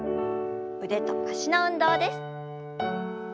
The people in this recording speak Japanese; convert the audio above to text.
腕と脚の運動です。